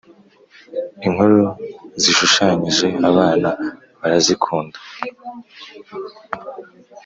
Inkuru zishushanyije abana barazikunda